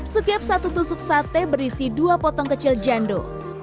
setiap satu tusuk sate berisi dua potong kecil jando